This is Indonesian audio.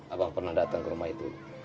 abang pernah datang ke rumah itu